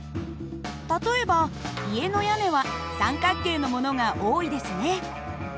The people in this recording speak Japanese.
例えば家の屋根は三角形のものが多いですね。